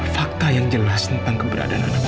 fakta yang jelas tentang keberadaan anak